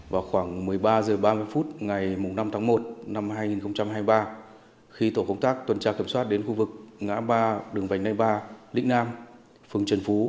vào khoảng một mươi ba h ba mươi phút ngày năm tháng một năm hai nghìn hai mươi ba khi tổ công tác tuần tra kiểm soát đến khu vực ngã ba đường vành nay ba định nam